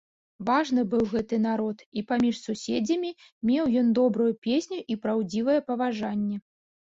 Важны быў гэты народ, і паміж суседзямі меў ён добрую песню і праўдзівае паважанне.